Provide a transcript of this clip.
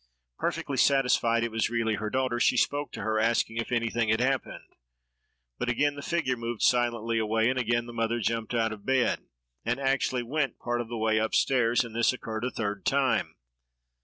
Perfectly satisfied it was really her daughter, she spoke to her, asking if anything had happened; but again the figure moved silently away, and again the mother jumped out of bed, and actually went part of the way up stairs: and this occurred a third time!